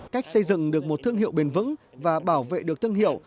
cách xây dựng được một thương hiệu bền vững và bảo vệ được thương hiệu